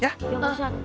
iya pak ustadz